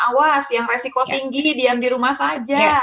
awas yang resiko tinggi diam di rumah saja